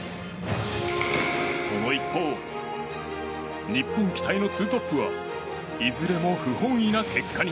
その一方日本期待のツートップはいずれも不本意な結果に。